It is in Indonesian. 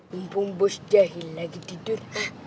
mumpung bos jahim lagi tidur